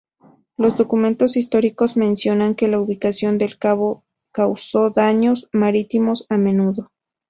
Los documentos históricos mencionan que la ubicación del cabo causó daños marítimos a menudo.